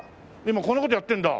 今こんな事やってるんだ。